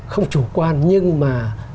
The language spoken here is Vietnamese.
không chủ quan nhưng mà